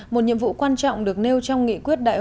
một nhiệm vụ quan trọng được nêu trong nghị quyết đại hội